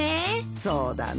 そうだね。